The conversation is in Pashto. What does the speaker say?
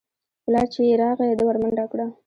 پلار چې يې راغى ده ورمنډه کړه.